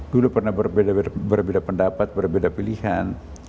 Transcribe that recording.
dulu pernah berbeda pendapat berbeda pilihan